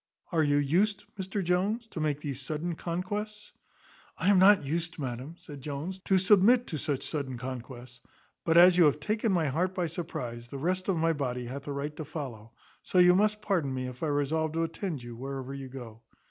Are you used, Mr Jones, to make these sudden conquests?" "I am not used, madam," said Jones, "to submit to such sudden conquests; but as you have taken my heart by surprize, the rest of my body hath a right to follow; so you must pardon me if I resolve to attend you wherever you go."